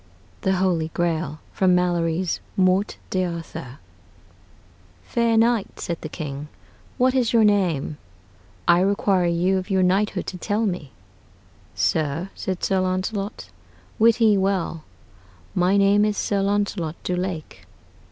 THE HOLY GRAIL From Malory's 'Morte d'Arthur' "Faire knight," said the King, "what is your name? I require you of your knighthood to tell me." "Sir," said Sir Launcelot, "wit ye well, my name is Sir Launcelot du Lake."